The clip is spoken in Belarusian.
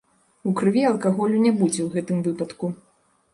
У крыві алкаголю не будзе ў гэтым выпадку.